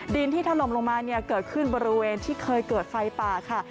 ดินที่ถล่มลงมาเนี่ยเกิดขึ้นบริเวณที่เคยเกิดไฟป่าค่ะ